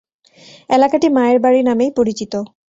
এলাকাটি মায়ের বাড়ি নামেই পরিচিত।